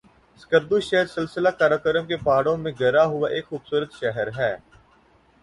سکردو شہر سلسلہ قراقرم کے پہاڑوں میں گھرا ہوا ایک خوبصورت شہر ہے